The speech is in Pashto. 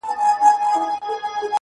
يو په ژړا سي چي يې بل ماسوم ارام سي ربه.